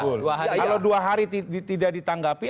kalau dua hari tidak ditanggapi